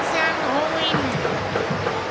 ホームイン！